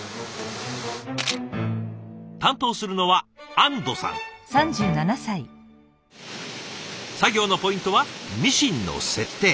担当するのは作業のポイントはミシンの設定。